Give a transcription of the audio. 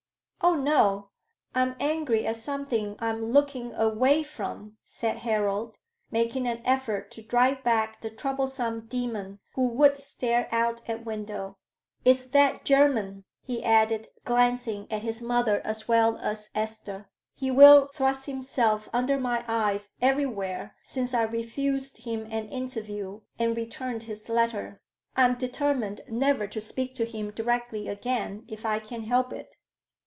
"Oh, no! I am angry at something I'm looking away from," said Harold, making an effort to drive back the troublesome demon who would stare out at window. "It's that Jermyn," he added, glancing at his mother as well as Esther. "He will thrust himself under my eyes everywhere since I refused him an interview and returned his letter. I'm determined never to speak to him directly again, if I can help it."